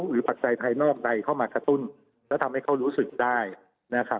ปัจจัยภายนอกใดเข้ามากระตุ้นแล้วทำให้เขารู้สึกได้นะครับ